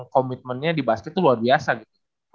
komitmennya di basket itu luar biasa gitu